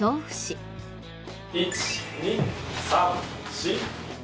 １２３４。